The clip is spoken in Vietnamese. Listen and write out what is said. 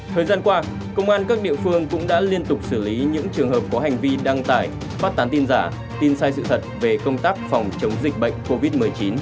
thời gian qua công an các địa phương cũng đã liên tục xử lý những trường hợp có hành vi đăng tải phát tán tin giả tin sai sự thật về công tác phòng chống dịch bệnh covid một mươi chín